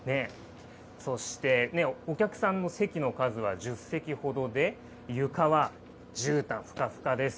そして、お客さんの席の数は１０席ほどで、床はじゅうたん、ふかふかです。